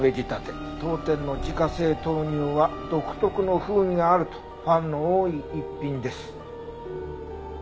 「当店の自家製豆乳は独特の風味があるとファンの多い逸品です」